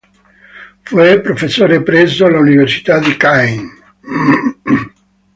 Fu professore presso l'Università di Caen.